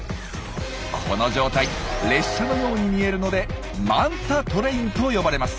この状態列車のように見えるので「マンタトレイン」と呼ばれます。